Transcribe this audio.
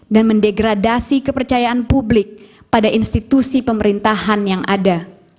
dan mendegradasi kepercayaan publik pada institusi pemerintahan yang ada